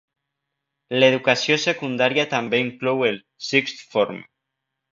L'educació secundària també inclou el 'sixth form'.